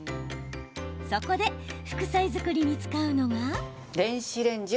そこで、副菜作りに使うのが。